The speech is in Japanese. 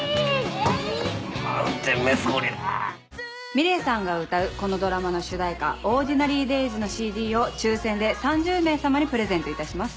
ｍｉｌｅｔさんが歌うこのドラマの主題歌『Ｏｒｄｉｎａｒｙｄａｙｓ』のＣＤを抽選で３０名様にプレゼントいたします。